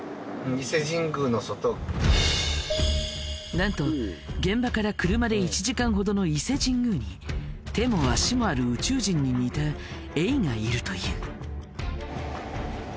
なんと現場から車で１時間ほどの伊勢神宮に手も足もある宇宙人に似たエイがいるという。